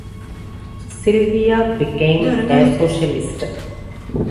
Sylvia became a socialist.